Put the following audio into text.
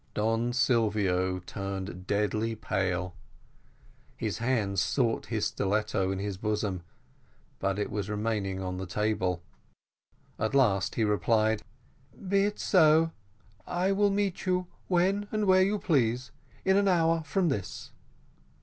Don Silvio turned deadly pale his hand sought his stiletto in his bosom, but it was remaining on the table; at last he replied, "Be it so I will meet you when and where you please, in an hour from this."